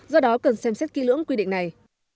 do đó cần xem xét kỹ lưỡng quy định này